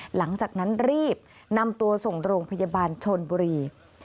หลังจากนั้นรีบนำตัวส่งโรงพยาบาลชนบุรี